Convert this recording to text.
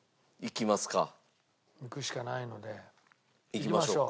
いきましょうか。